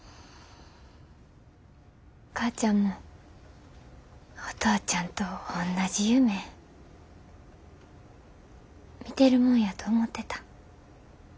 お母ちゃんもお父ちゃんとおんなじ夢みてるもんやと思ってた。